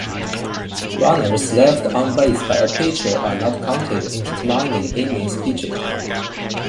Runners left on base by a pitcher are not counted in determining innings pitched.